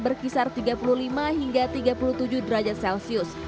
berkisar tiga puluh lima hingga tiga puluh tujuh derajat celcius